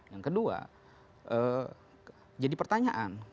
yang kedua jadi pertanyaan